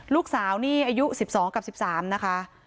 ลูกสาวนี่อายุ๑๒กับ๑๓นะคะ